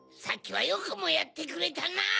さっきはよくもやってくれたな！